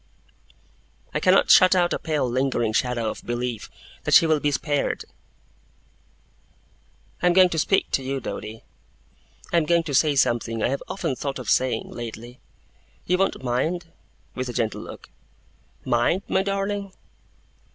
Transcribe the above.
I cannot shut out a pale lingering shadow of belief that she will be spared. 'I am going to speak to you, Doady. I am going to say something I have often thought of saying, lately. You won't mind?' with a gentle look. 'Mind, my darling?